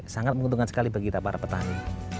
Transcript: sangat menguntungkan sekali bagi kita para petani